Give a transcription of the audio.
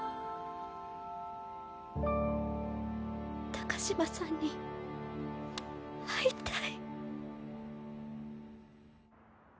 高嶋さんに会いたい。